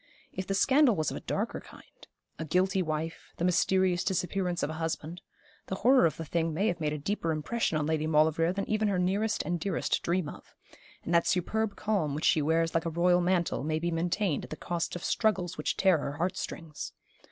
If the scandal was of a darker kind a guilty wife the mysterious disappearance of a husband the horror of the thing may have made a deeper impression on Lady Maulevrier than even her nearest and dearest dream of: and that superb calm which she wears like a royal mantle may be maintained at the cost of struggles which tear her heart strings.